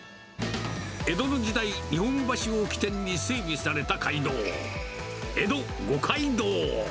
江戸の時代、日本橋をきてんに整備された街道、江戸五街道。